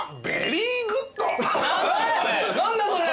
何だそれ！